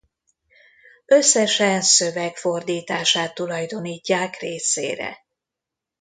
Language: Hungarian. Összesen szöveg fordítását tulajdonítják részére.